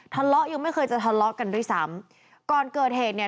ยังไม่เคยจะทะเลาะกันด้วยซ้ำก่อนเกิดเหตุเนี่ย